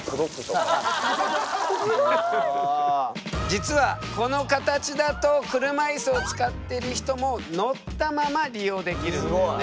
実はこの形だと車いすを使っている人も乗ったまま利用できるんだよね。